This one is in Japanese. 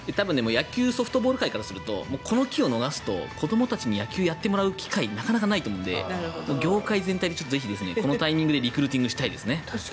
野球ソフトボール界からするとこの機を逃すと子どもたちに野球をやってもらう機会ってなかなかないと思うので業界全体でぜひこのタイミングでリクルーティングしたいですね。